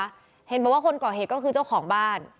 เห็นบอกว่าคนก่อเหตุก็คือเจ้าของบ้าน